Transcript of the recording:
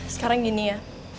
sekarang gini ya